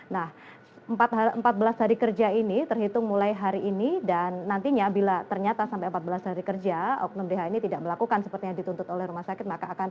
nah empat belas hari kerja ini terhitung mulai hari ini dan nantinya bila ternyata sampai empat belas hari kerja oknum dh ini tidak melakukan seperti yang dituntut oleh rumah sakit